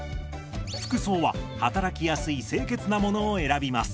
服装は働きやすい清潔なものを選びます。